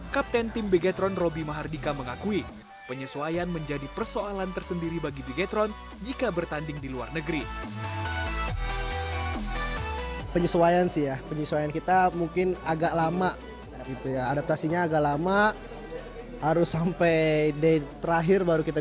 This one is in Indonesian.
kapten tim begetron robby mahardika mengakui penyesuaian menjadi persoalan tersendiri bagi bigetron jika bertanding di luar negeri